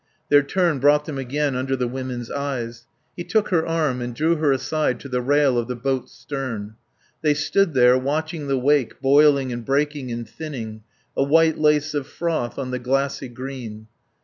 Their turn brought them again under the women's eyes. He took her arm and drew her aside to the rail of the boat's stern. They stood there, watching the wake boiling and breaking and thinning, a white lace of froth on the glassy green.